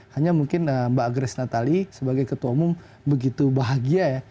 hanya mungkin mbak grace natali sebagai ketua umum begitu bahagia ya